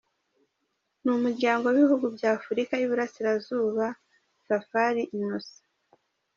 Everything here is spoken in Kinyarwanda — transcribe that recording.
n’Umuryango w’Ibihugu bya Afurika y’Iburasirazuba: Safari Innocent.